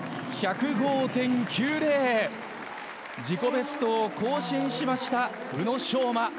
自己ベストを更新しました、宇野昌磨。